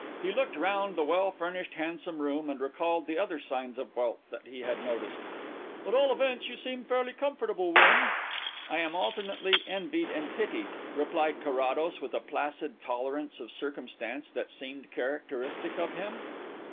He looked round the well furnished, handsome room and recalled the other signs of wealth that he had noticed. "At all events, you seem fairly comfortable, Wynn." "I am alternately envied and pitied," replied Carrados, with a placid tolerance of circumstance that seemed characteristic of him.